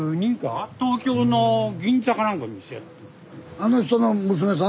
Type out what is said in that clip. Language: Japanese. あの人の娘さん？